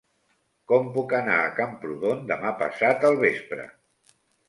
Com puc anar a Camprodon demà passat al vespre?